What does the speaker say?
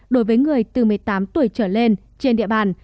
đối với người từ một mươi tám tuổi trở lên trên địa bàn